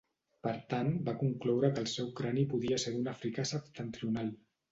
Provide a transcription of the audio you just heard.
Per tant va concloure que el seu crani podia ser d'un africà septentrional.